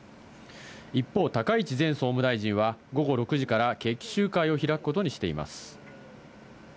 一方、高市前総務大臣は午後６時から決起集会を開くことにしています。